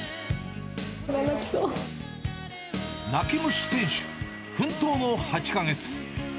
泣き虫店主、奮闘の８か月。